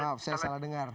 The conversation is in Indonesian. maaf saya salah dengar